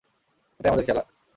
এটাই আমাদের খেলা।